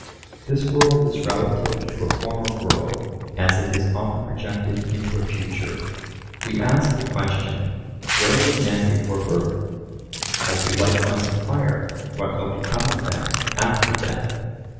This world is relative to a former world, as it is often projected into a future. We ask the question, Where were men before birth? As we likewise enquire, What will become of them after death?